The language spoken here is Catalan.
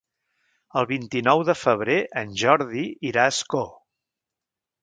El vint-i-nou de febrer en Jordi irà a Ascó.